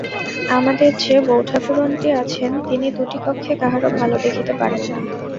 আমাদের যে বৌঠাকরুণটি আছেন, তিনি দুটি চক্ষে কাহারো ভাল দেখিতে পারেন না।